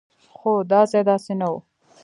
خو دا ځای داسې نه و.